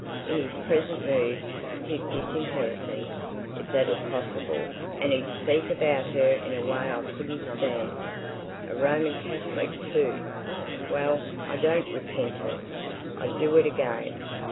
In his present mood he'd disinherit me, if that is possible; and he'd speak about her in a way I couldn't stand. A Roman Catholic, too! Well, I don't repent it. I'd do it again.